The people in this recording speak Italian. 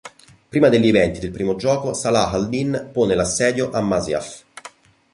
Prima degli eventi del primo gioco, Salah Al'Din pone l'assedio a Masyaf.